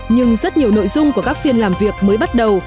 nhưng rất nhiều nội dung của các phiên làm việc mới bắt đầu